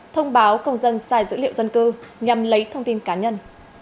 thông báo công dân sai dữ liệu dân cư nhằm lấy thông tin cá nhân